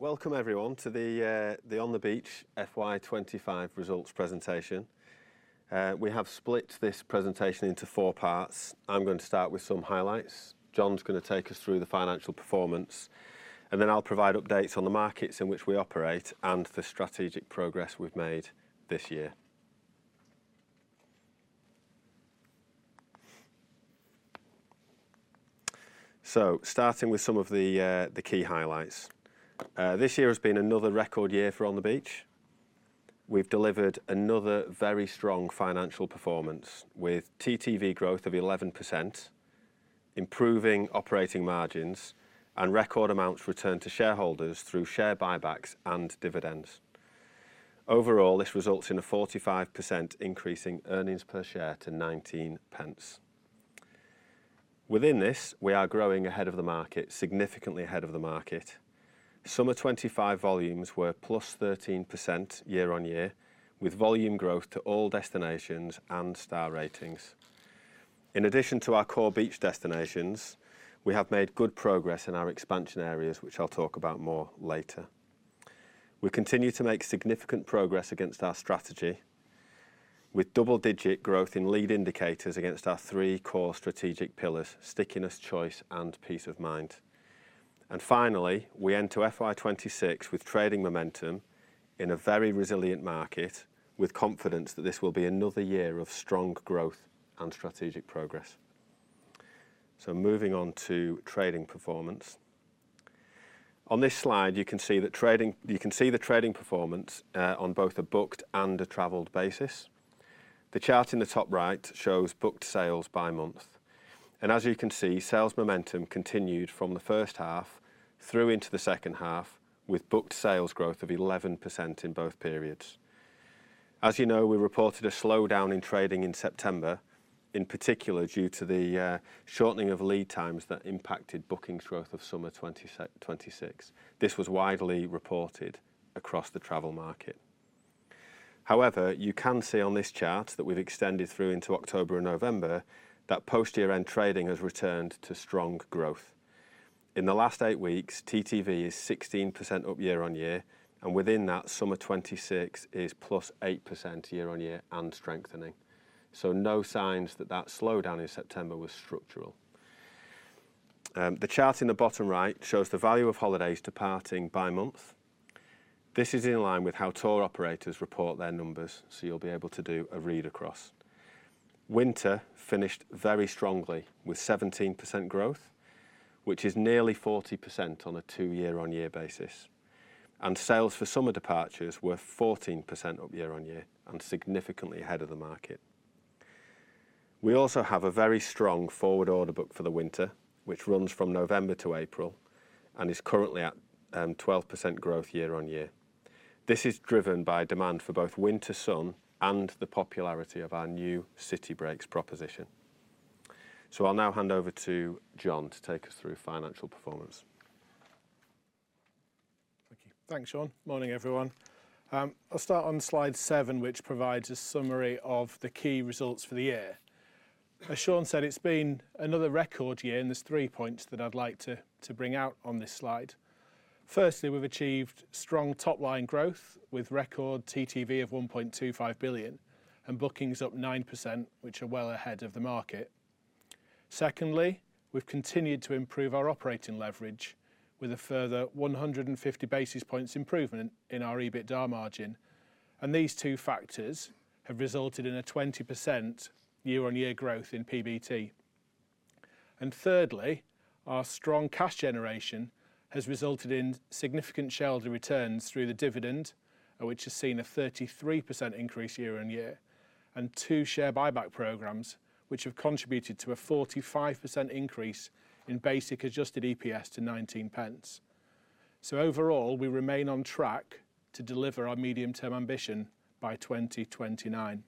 Welcome, everyone, to the On the Beach FY25 results presentation. We have split this presentation into four parts. I'm going to start with some highlights. Jon going to take us through the financial performance, and then I'll provide updates on the markets in which we operate and the strategic progress we've made this year. Starting with some of the key highlights, this year has been another record year for On the Beach. We've delivered another very strong financial performance with TTV growth of 11%, improving operating margins, and record amounts returned to shareholders through share buybacks and dividends. Overall, this results in a 45% increase in earnings per share to 0.19. Within this, we are growing ahead of the market, significantly ahead of the market. Summer 2025 volumes were plus 13% year-on-year, with volume growth to all destinations and star ratings. In addition to our core beach destinations, we have made good progress in our expansion areas, which I'll talk about more later. We continue to make significant progress against our strategy, with double-digit growth in lead indicators against our three core strategic pillars: stickiness, choice, and Peace of Mind. Finally, we enter FY2026 with trading momentum in a very resilient market, with confidence that this will be another year of strong growth and strategic progress. Moving on to trading performance. On this slide, you can see the trading performance on both a booked and a travelled basis. The chart in the top right shows booked sales by month. As you can see, sales momentum continued from the first half through into the second half, with booked sales growth of 11% in both periods. As you know, we reported a slowdown in trading in September, in particular due to the shortening of lead times that impacted bookings growth of summer 2026. This was widely reported across the travel market. However, you can see on this chart that we've extended through into October and November that post-year-end trading has returned to strong growth. In the last eight weeks, TTV is 16% up year-on-year, and within that, summer 2026 is plus 8% year-on-year and strengthening. So, no signs that that slowdown in September was structural. The chart in the bottom right shows the value of holidays departing by month. This is in line with how tour operators report their numbers, so you'll be able to do a read across. Winter finished very strongly with 17% growth, which is nearly 40% on a two-year-on-year basis. Sales for summer departures were 14% up year-on-year and significantly ahead of the market. We also have a very strong forward order book for the winter, which runs from November to April and is currently at 12% growth year-on-year. This is driven by demand for both winter sun and the popularity of our new city breaks proposition. I'll now hand over to Jon to take us through financial performance. Thank you. Thanks, Shaun. Morning, everyone. I'll start on slide seven, which provides a summary of the key results for the year. As Shaun said, it's been another record year in this three-point that I'd like to bring out on this slide. Firstly, we've achieved strong top-line growth with record TTV of 1.25 billion and bookings up 9%, which are well ahead of the market. Secondly, we've continued to improve our operating leverage with a further 150 basis points improvement in our EBITDA margin. And these two factors have resulted in a 20% year-on-year growth in PBT. And thirdly, our strong cash generation has resulted in significant shareholder returns through the dividend, which has seen a 33% increase year-on-year, and two share buyback programs, which have contributed to a 45% increase in basic adjusted EPS to 0.19. Overall, we remain on track to deliver our medium-term ambition by 2029.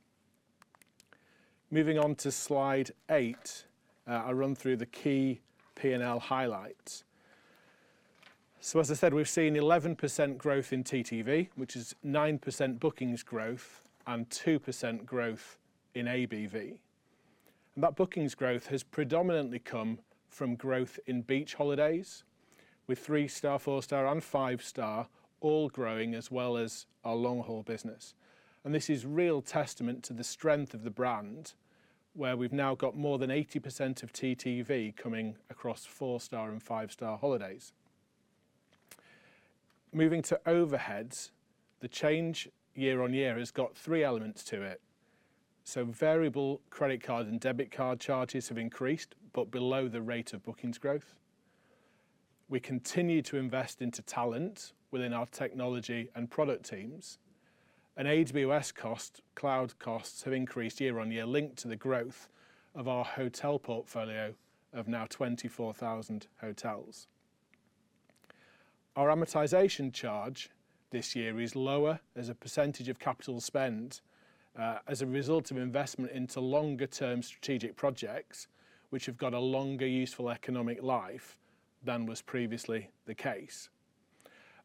Moving on to slide eight, I'll run through the key P&L highlights. As I said, we've seen 11% growth in TTV, which is 9% bookings growth and 2% growth in ABV. That bookings growth has predominantly come from growth in beach holidays, with three-star, four-star, and five-star all growing as well as our long-haul business. This is a real testament to the strength of the brand, where we've now got more than 80% of TTV coming across four-star and five-star holidays. Moving to overheads, the change year-on-year has got three elements to it. Variable credit card and debit card charges have increased, but below the rate of bookings growth. We continue to invest into talent within our technology and product teams. AWS costs, cloud costs have increased year-on-year, linked to the growth of our hotel portfolio of now 24,000 hotels. Our amortization charge this year is lower as a percentage of capital spend as a result of investment into longer-term strategic projects, which have got a longer useful economic life than was previously the case.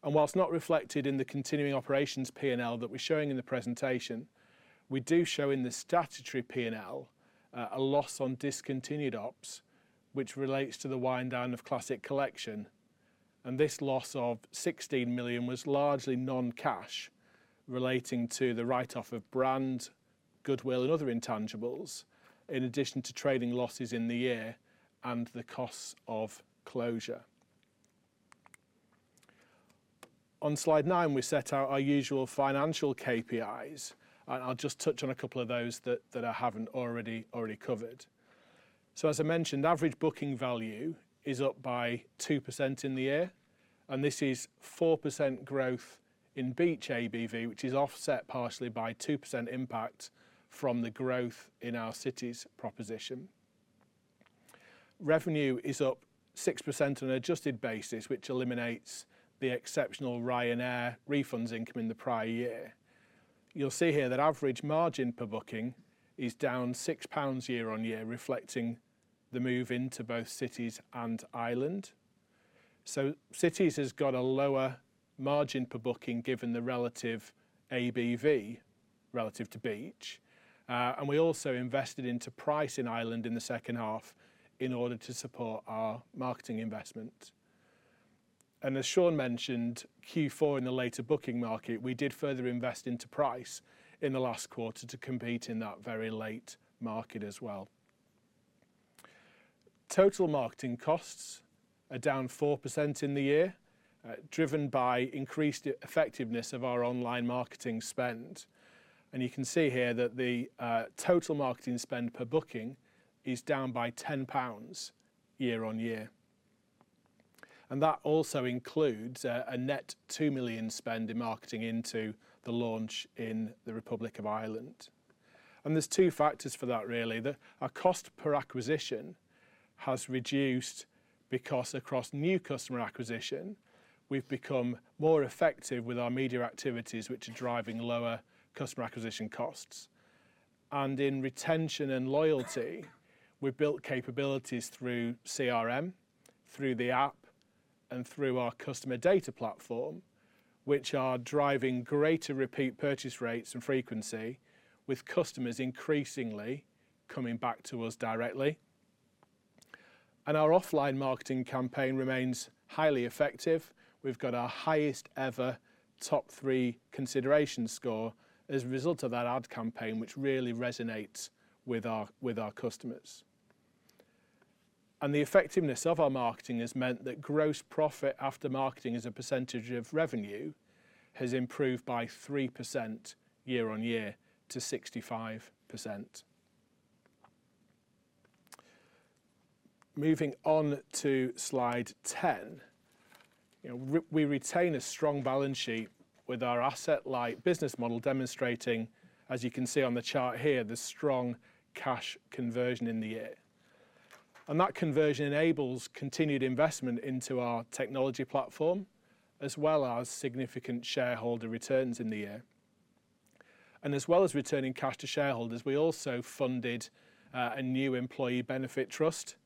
And while not reflected in the continuing operations P&L that we're showing in the presentation, we do show in the statutory P&L a loss on discontinued ops, which relates to the wind down of Classic Collection. And this loss of 16 million was largely non-cash, relating to the write-off of brand, goodwill, and other intangibles, in addition to trading losses in the year and the costs of closure. On slide nine, we set out our usual financial KPIs. And I'll just touch on a couple of those that I haven't already covered. As I mentioned, average booking value is up by 2% in the year. And this is 4% growth in beach ABV, which is offset partially by 2% impact from the growth in our city's proposition. Revenue is up 6% on an adjusted basis, which eliminates the exceptional Ryanair refunds income in the prior year. You'll see here that average margin per booking is down 6 pounds year-on-year, reflecting the move into both cities and Ireland. So, cities has got a lower margin per booking given the relative ABV relative to beach. And we also invested into pricing Ireland in the second half in order to support our marketing investment. And as Shaun mentioned, Q4 in the later booking market, we did further invest into price in the last quarter to compete in that very late market as well. Total marketing costs are down 4% in the year, driven by increased effectiveness of our online marketing spend. And you can see here that the total marketing spend per booking is down by 10 pounds year-on-year. And that also includes a net 2 million spend in marketing into the launch in the Republic of Ireland. And there's two factors for that, really. Our cost per acquisition has reduced because across new customer acquisition, we've become more effective with our media activities, which are driving lower customer acquisition costs. And in retention and loyalty, we've built capabilities through CRM, through the app, and through our customer data platform, which are driving greater repeat purchase rates and frequency, with customers increasingly coming back to us directly. And our offline marketing campaign remains highly effective. We've got our highest ever top three consideration score as a result of that ad campaign, which really resonates with our customers. The effectiveness of our marketing has meant that gross profit after marketing as a percentage of revenue has improved by 3% year-on-year to 65%. Moving on to slide 10, we retain a strong balance sheet with our asset-light business model demonstrating, as you can see on the chart here, the strong cash conversion in the year. That conversion enables continued investment into our technology platform, as well as significant shareholder returns in the year. As well as returning cash to shareholders, we also funded a new employee benefit trust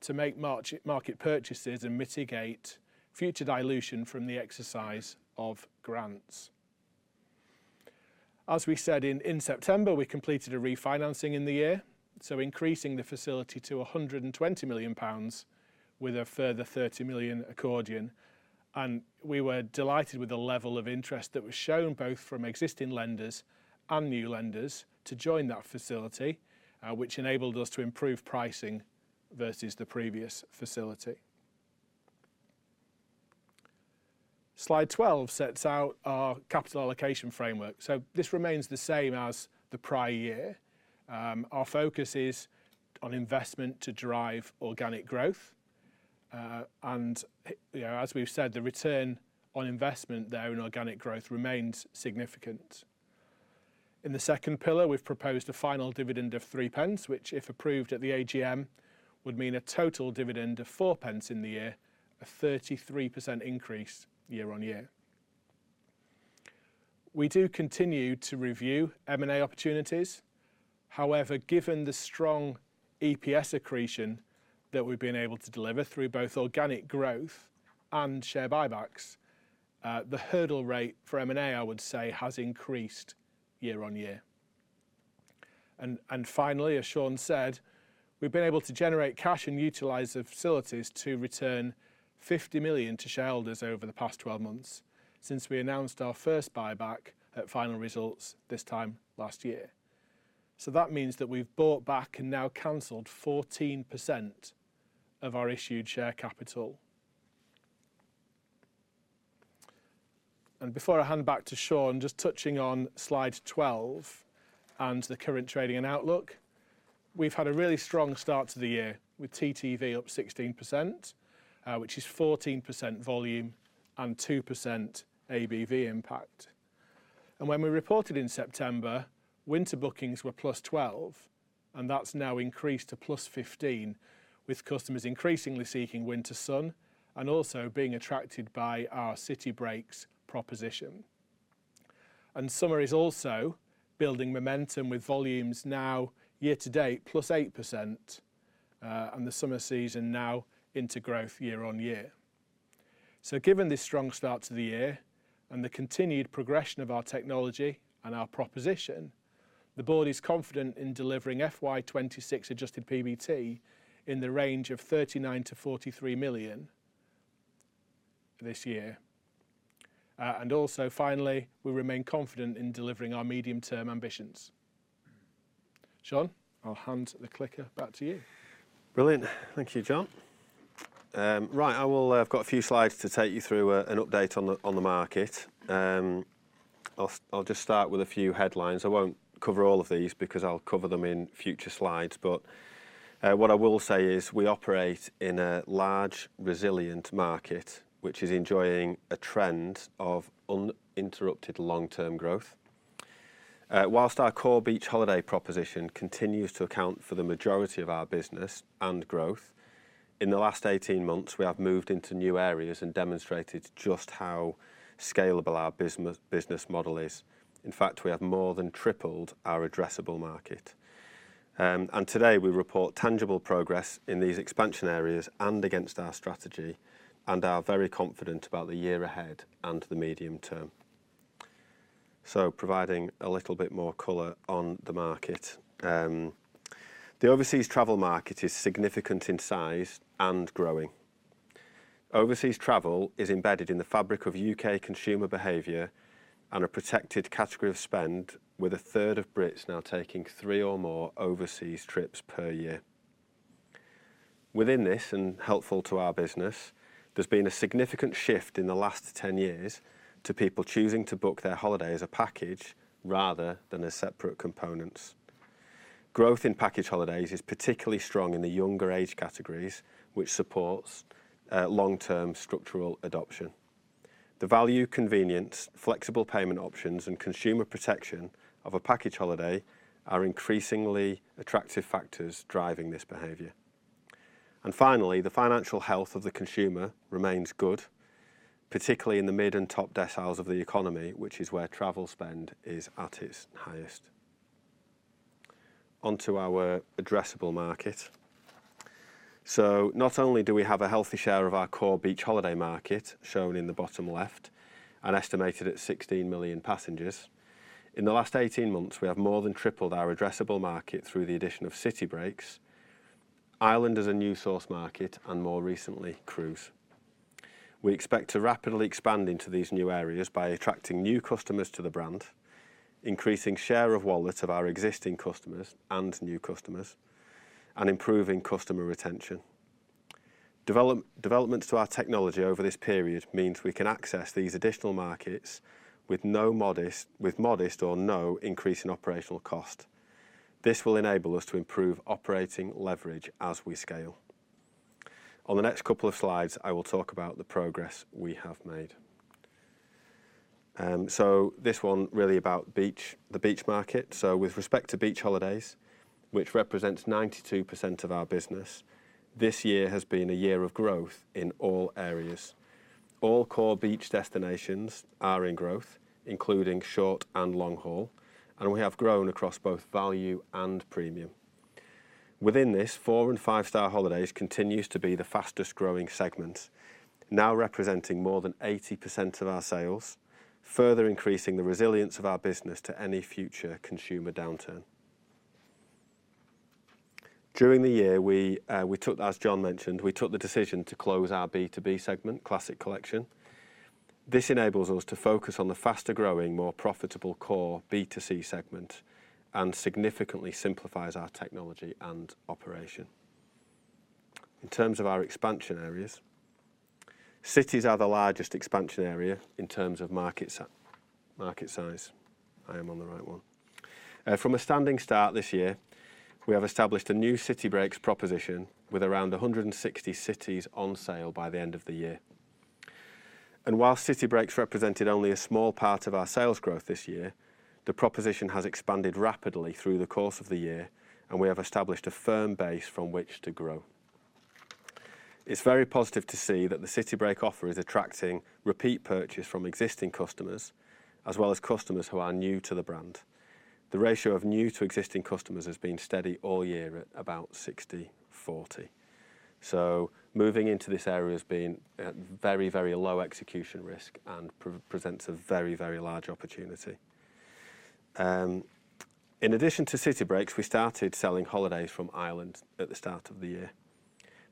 to make market purchases and mitigate future dilution from the exercise of grants. As we said, in September, we completed a refinancing in the year, so increasing the facility to 120 million pounds with a further 30 million accordion. And we were delighted with the level of interest that was shown both from existing lenders and new lenders to join that facility, which enabled us to improve pricing versus the previous facility. Slide 12 sets out our capital allocation framework. So, this remains the same as the prior year. Our focus is on investment to drive organic growth. And as we've said, the return on investment there in organic growth remains significant. In the second pillar, we've proposed a final dividend of 0.03, which, if approved at the AGM, would mean a total dividend of 0.04 in the year, a 33% increase year-on-year. We do continue to review M&A opportunities. However, given the strong EPS accretion that we've been able to deliver through both organic growth and share buybacks, the hurdle rate for M&A, I would say, has increased year-on-year. And finally, as Shaun said, we've been able to generate cash and utilize the facilities to return 50 million to shareholders over the past 12 months since we announced our first buyback at final results this time last year. So, that means that we've bought back and now canceled 14% of our issued share capital. And before I hand back to Shaun, just touching on slide 12 and the current trading and outlook, we've had a really strong start to the year with TTV up 16%, which is 14% volume and 2% ABV impact. When we reported in September, winter bookings were plus 12%, and that's now increased to plus 15%, with customers increasingly seeking winter sun and also being attracted by our city breaks proposition. Summer is also building momentum with volumes now year to date plus 8%, and the summer season now into growth year-on-year. Given this strong start to the year and the continued progression of our technology and our proposition, the board is confident in delivering FY2026 adjusted PBT in the range of 39-43 million this year. Also, finally, we remain confident in delivering our medium-term ambitions. Shaun, I'll hand the clicker back to you. Brilliant. Thank you, Jon. Right, I've got a few slides to take you through an update on the market. I'll just start with a few headlines. I won't cover all of these because I'll cover them in future slides. But what I will say is we operate in a large, resilient market, which is enjoying a trend of uninterrupted long-term growth. Whilst our core beach holiday proposition continues to account for the majority of our business and growth, in the last 18 months, we have moved into new areas and demonstrated just how scalable our business model is. In fact, we have more than tripled our addressable market, and today, we report tangible progress in these expansion areas and against our strategy, and are very confident about the year ahead and the medium term. Providing a little bit more color on the market, the overseas travel market is significant in size and growing. Overseas travel is embedded in the fabric of U.K. consumer behavior and a protected category of spend, with a 3rd of Brits now taking three or more overseas trips per year. Within this, and helpful to our business, there's been a significant shift in the last 10 years to people choosing to book their holiday as a package rather than as separate components. Growth in package holidays is particularly strong in the younger age categories, which supports long-term structural adoption. The value, convenience, flexible payment options, and consumer protection of a package holiday are increasingly attractive factors driving this behavior. Finally, the financial health of the consumer remains good, particularly in the mid-and-top deciles of the economy, which is where travel spend is at its highest. Onto our addressable market. So, not only do we have a healthy share of our core beach holiday market shown in the bottom left and estimated at 16 million passengers, in the last 18 months, we have more than tripled our addressable market through the addition of city breaks, Ireland as a new source market, and more recently, cruise. We expect to rapidly expand into these new areas by attracting new customers to the brand, increasing share of wallet of our existing customers and new customers, and improving customer retention. Developments to our technology over this period means we can access these additional markets with modest or no increase in operational cost. This will enable us to improve operating leverage as we scale. On the next couple of slides, I will talk about the progress we have made. So, this one really about the beach market. So, with respect to beach holidays, which represents 92% of our business, this year has been a year of growth in all areas. All core beach destinations are in growth, including short and long-haul, and we have grown across both value and premium. Within this, four and five-star holidays continue to be the fastest-growing segment, now representing more than 80% of our sales, further increasing the resilience of our business to any future consumer downturn. During the year, as Jon mentioned, we took the decision to close our B2B segment, Classic Collection. This enables us to focus on the faster-growing, more profitable core B2C segment and significantly simplifies our technology and operation. In terms of our expansion areas, cities are the largest expansion area in terms of market size. I am on the right one. From a standing start this year, we have established a new city breaks proposition with around 160 cities on sale by the end of the year, and while city breaks represented only a small part of our sales growth this year, the proposition has expanded rapidly through the course of the year, and we have established a firm base from which to grow. It's very positive to see that the city break offer is attracting repeat purchase from existing customers, as well as customers who are new to the brand. The ratio of new to existing customers has been steady all year at about 60/40, so moving into this area has been very, very low execution risk and presents a very, very large opportunity. In addition to city breaks, we started selling holidays from Ireland at the start of the year.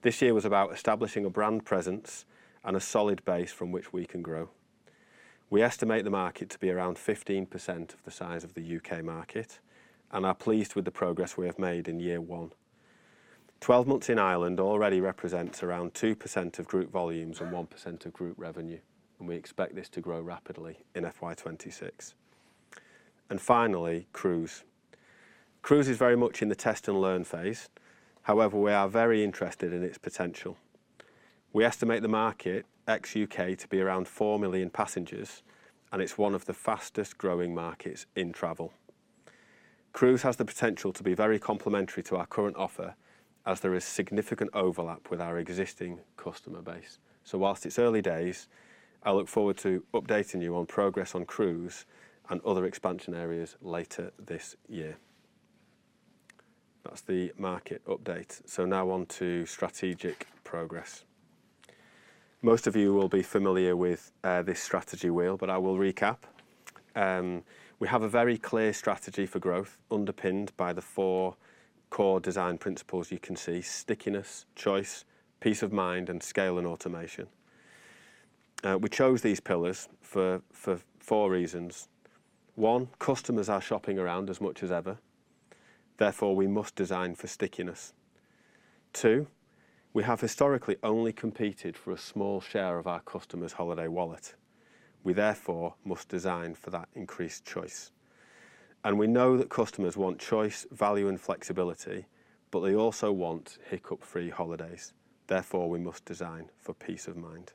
This year was about establishing a brand presence and a solid base from which we can grow. We estimate the market to be around 15% of the size of the U.K. market and are pleased with the progress we have made in year one. 12 months in Ireland already represents around 2% of group volumes and 1% of group revenue, and we expect this to grow rapidly in FY26 and finally, cruise. Cruise is very much in the test and learn phase. However, we are very interested in its potential. We estimate the market ex-U.K. to be around 4 million passengers, and it's one of the fastest-growing markets in travel. Cruise has the potential to be very complementary to our current offer, as there is significant overlap with our existing customer base. While it's early days, I look forward to updating you on progress on cruise and other expansion areas later this year. That's the market update, so now on to strategic progress. Most of you will be familiar with this strategy, Will, but I will recap. We have a very clear strategy for growth, underpinned by the four core design principles you can see: stickiness, choice, Peace of Mind, and scale and automation. We chose these pillars for four reasons. One, customers are shopping around as much as ever. Therefore, we must design for stickiness. Two, we have historically only competed for a small share of our customers' holiday wallet. We, therefore, must design for that increased choice. And we know that customers want choice, value, and flexibility, but they also want hiccup-free holidays. Therefore, we must design for Peace of Mind.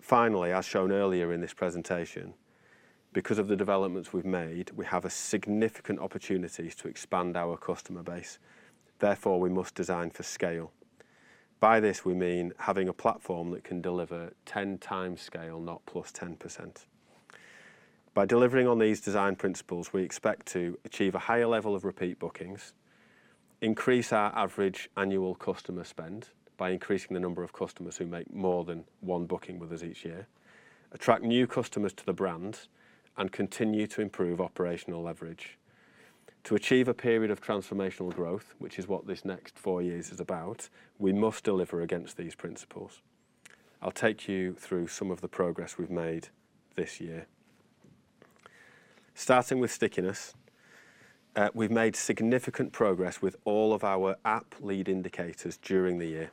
Finally, as shown earlier in this presentation, because of the developments we've made, we have significant opportunities to expand our customer base. Therefore, we must design for scale. By this, we mean having a platform that can deliver 10 times scale, not plus 10%. By delivering on these design principles, we expect to achieve a higher level of repeat bookings, increase our average annual customer spend by increasing the number of customers who make more than one booking with us each year, attract new customers to the brand, and continue to improve operational leverage. To achieve a period of transformational growth, which is what this next four years is about, we must deliver against these principles. I'll take you through some of the progress we've made this year. Starting with stickiness, we've made significant progress with all of our app lead indicators during the year.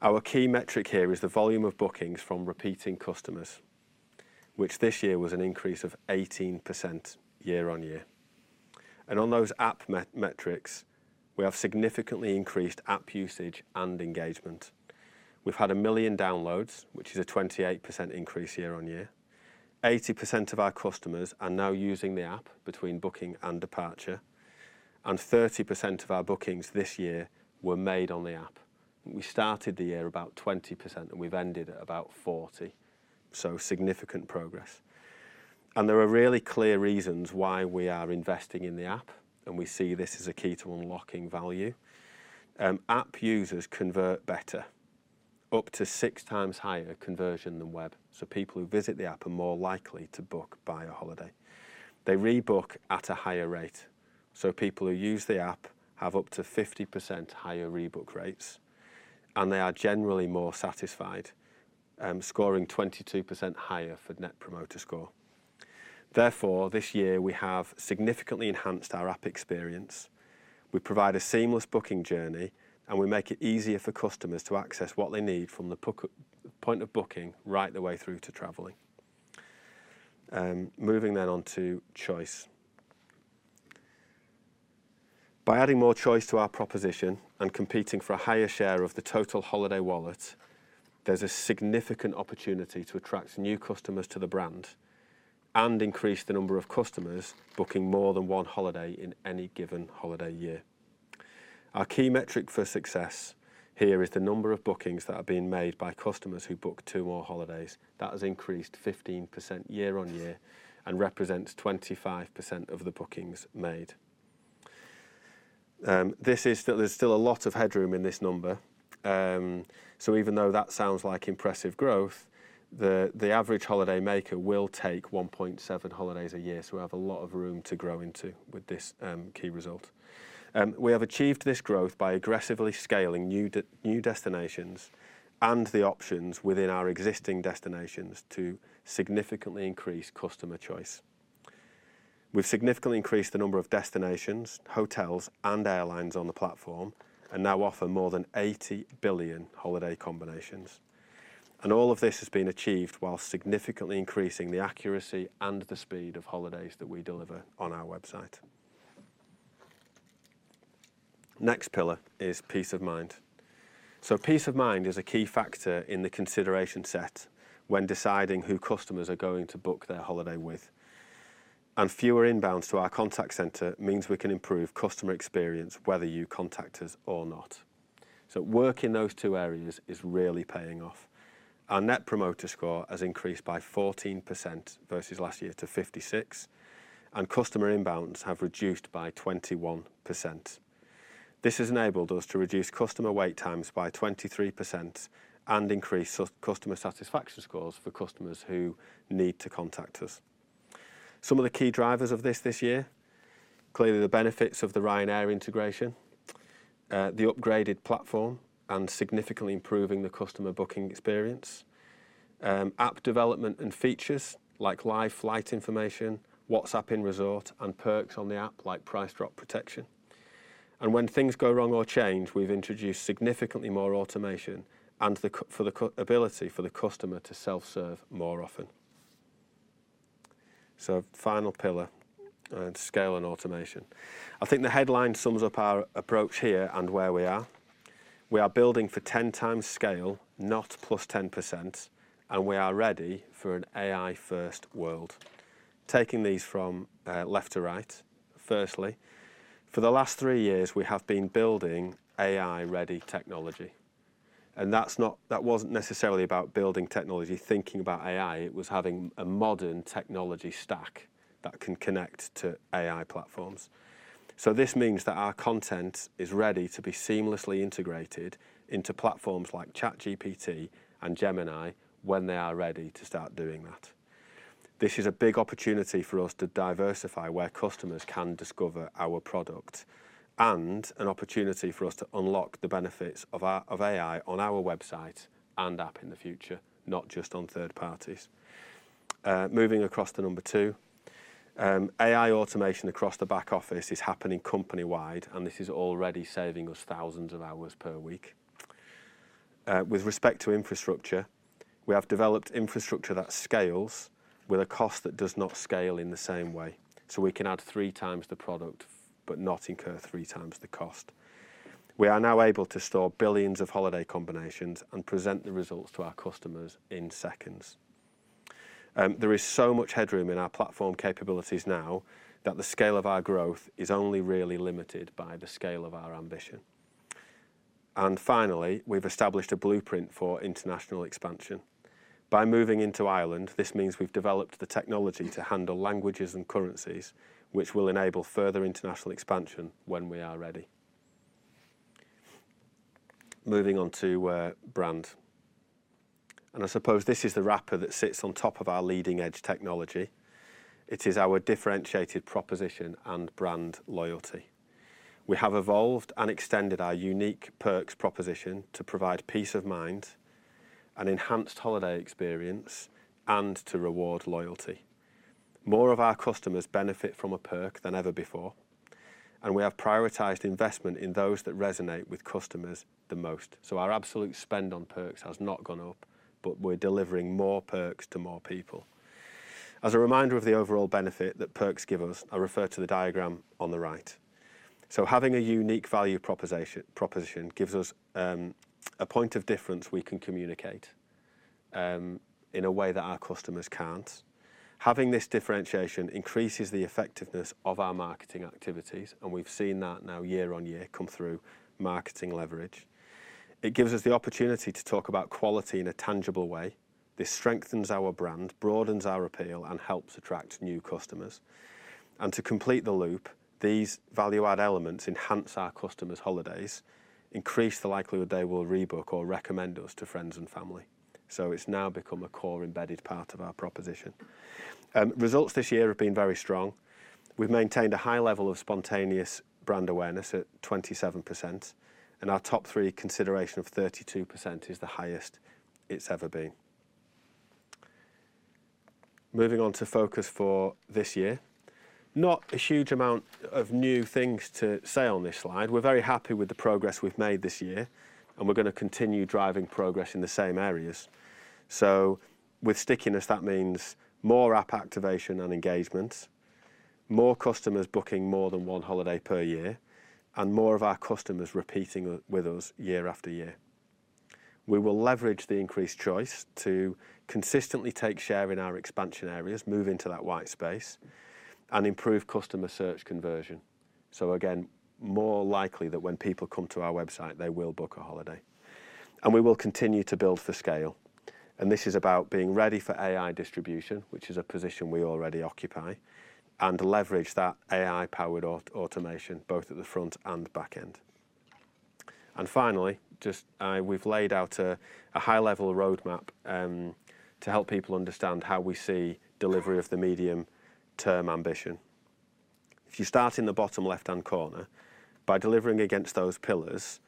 Our key metric here is the volume of bookings from repeat customers, which this year was an increase of 18% year-on-year. And on those app metrics, we have significantly increased app usage and engagement. We've had a million downloads, which is a 28% increase year-on-year. 80% of our customers are now using the app between booking and departure, and 30% of our bookings this year were made on the app. We started the year about 20%, and we've ended at about 40%. So, significant progress. And there are really clear reasons why we are investing in the app, and we see this as a key to unlocking value. App users convert better, up to six times higher conversion than web. So, people who visit the app are more likely to book a holiday. They rebook at a higher rate. People who use the app have up to 50% higher rebook rates, and they are generally more satisfied, scoring 22% higher for Net Promoter Score. Therefore, this year, we have significantly enhanced our app experience. We provide a seamless booking journey, and we make it easier for customers to access what they need from the point of booking right the way through to traveling. Moving on to choice. By adding more choice to our proposition and competing for a higher share of the total holiday wallet, there is a significant opportunity to attract new customers to the brand and increase the number of customers booking more than one holiday in any given holiday year. Our key metric for success here is the number of bookings that are being made by customers who book two or more holidays. That has increased 15% year-on-year and represents 25% of the bookings made. This is that there's still a lot of headroom in this number, so even though that sounds like impressive growth, the average holiday maker will take 1.7 holidays a year. So, we have a lot of room to grow into with this key result. We have achieved this growth by aggressively scaling new destinations and the options within our existing destinations to significantly increase customer choice. We've significantly increased the number of destinations, hotels, and airlines on the platform and now offer more than 80 billion holiday combinations, and all of this has been achieved while significantly increasing the accuracy and the speed of holidays that we deliver on our website. Next pillar is Peace of Mind. Peace of Mind is a key factor in the consideration set when deciding who customers are going to book their holiday with. Fewer inbounds to our contact center means we can improve customer experience, whether you contact us or not. Work in those two areas is really paying off. Our Net Promoter Score has increased by 14% versus last year to 56%, and customer inbounds have reduced by 21%. This has enabled us to reduce customer wait times by 23% and increase customer satisfaction scores for customers who need to contact us. Some of the key drivers of this year: clearly, the benefits of the Ryanair integration, the upgraded platform, and significantly improving the customer booking experience. App development and features like live flight information, WhatsApp in resort, and perks on the app like price drop protection. When things go wrong or change, we've introduced significantly more automation for the ability for the customer to self-serve more often. Final pillar: scale and automation. I think the headline sums up our approach here and where we are. We are building for 10 times scale, not plus 10%, and we are ready for an AI-first world. Taking these from left to right, firstly, for the last three years, we have been building AI-ready technology. That wasn't necessarily about building technology, thinking about AI. It was having a modern technology stack that can connect to AI platforms. This means that our content is ready to be seamlessly integrated into platforms like ChatGPT and Gemini when they are ready to start doing that. This is a big opportunity for us to diversify where customers can discover our product and an opportunity for us to unlock the benefits of AI on our website and app in the future, not just on third parties. Moving across to number two, AI automation across the back office is happening company-wide, and this is already saving us thousands of hours per week. With respect to infrastructure, we have developed infrastructure that scales with a cost that does not scale in the same way. So, we can add three times the product, but not incur three times the cost. We are now able to store billions of holiday combinations and present the results to our customers in seconds. There is so much headroom in our platform capabilities now that the scale of our growth is only really limited by the scale of our ambition. And finally, we've established a blueprint for international expansion. By moving into Ireland, this means we've developed the technology to handle languages and currencies, which will enable further international expansion when we are ready. Moving on to brand. And I suppose this is the wrapper that sits on top of our leading-edge technology. It is our differentiated proposition and brand loyalty. We have evolved and extended our unique perks proposition to provide Peace of Mind, an enhanced holiday experience, and to reward loyalty. More of our customers benefit from a perk than ever before, and we have prioritized investment in those that resonate with customers the most. So, our absolute spend on perks has not gone up, but we're delivering more perks to more people. As a reminder of the overall benefit that perks give us, I refer to the diagram on the right. Having a unique value proposition gives us a point of difference we can communicate in a way that our customers can't. Having this differentiation increases the effectiveness of our marketing activities, and we've seen that now year-on-year come through marketing leverage. It gives us the opportunity to talk about quality in a tangible way. This strengthens our brand, broadens our appeal, and helps attract new customers. And to complete the loop, these value-add elements enhance our customers' holidays, increase the likelihood they will rebook or recommend us to friends and family. So, it's now become a core embedded part of our proposition. Results this year have been very strong. We've maintained a high level of spontaneous brand awareness at 27%, and our top three consideration of 32% is the highest it's ever been. Moving on to focus for this year. Not a huge amount of new things to say on this slide. We're very happy with the progress we've made this year, and we're going to continue driving progress in the same areas. So, with stickiness, that means more app activation and engagements, more customers booking more than one holiday per year, and more of our customers repeating with us year-after-year. We will leverage the increased choice to consistently take share in our expansion areas, move into that white space, and improve customer search conversion. So, again, more likely that when people come to our website, they will book a holiday. And we will continue to build for scale. And this is about being ready for AI distribution, which is a position we already occupy, and leverage that AI-powered automation both at the front and back end. And finally, just we've laid out a high-level roadmap to help people understand how we see delivery of the medium-term ambition. If you start in the bottom left-hand corner, by delivering against those pillars,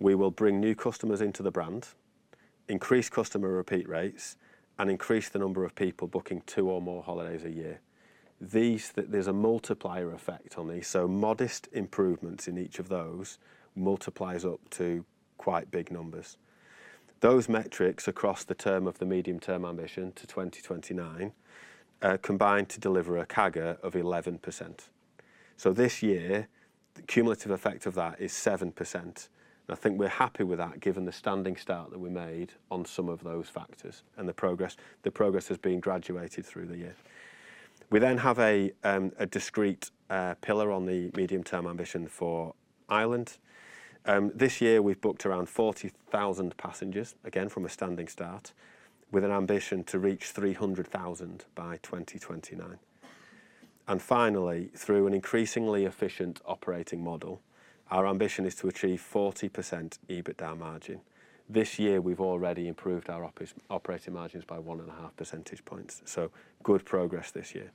we will bring new customers into the brand, increase customer repeat rates, and increase the number of people booking two or more holidays a year. There's a multiplier effect on these. So, modest improvements in each of those multiplies up to quite big numbers. Those metrics across the term of the medium-term ambition to 2029 combined to deliver a CAGR of 11%. So, this year, the cumulative effect of that is 7%. And I think we're happy with that given the standing start that we made on some of those factors and the progress. The progress has been graduated through the year. We then have a discrete pillar on the medium-term ambition for Ireland. This year, we've booked around 40,000 passengers, again from a standing start, with an ambition to reach 300,000 by 2029. And finally, through an increasingly efficient operating model, our ambition is to achieve 40% EBITDA margin. This year, we've already improved our operating margins by one and half percentage points. So, good progress this year.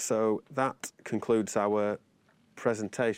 So, that concludes our presentation.